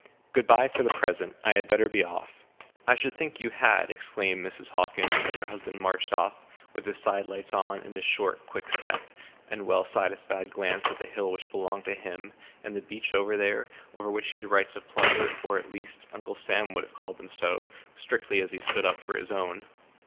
Good by for the present; I had better be off." "I should think you had," exclaimed Mrs. Hockin, as her husband marched off, with his side lights on, and his short, quick step, and well satisfied glance at the hill which belonged to him, and the beach, over which he had rights of plunder or, at least, Uncle Sam would have called them so, strictly as he stood up for his own.